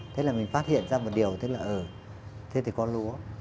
thế là mình phát hiện ra một điều thế là ờ thế thì có lúa